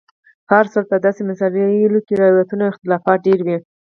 په هر صورت په داسې مسایلو کې روایتونو او اختلافات ډېر وي.